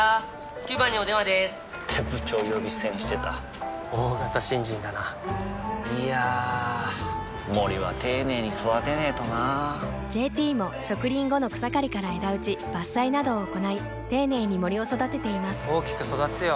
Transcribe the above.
９番にお電話でーす！って部長呼び捨てにしてた大型新人だないやー森は丁寧に育てないとな「ＪＴ」も植林後の草刈りから枝打ち伐採などを行い丁寧に森を育てています大きく育つよ